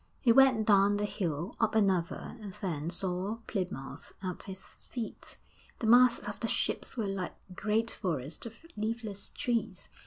He went down the hill, up another, and thence saw Plymouth at his feet; the masts of the ships were like a great forest of leafless trees....